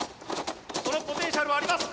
そのポテンシャルはあります！